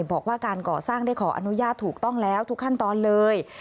บอกว่าการก่อสร้างได้ขออนุญาตถูกต้องแล้วทุกขั้นตอนเลย